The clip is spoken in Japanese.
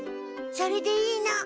それでいいの。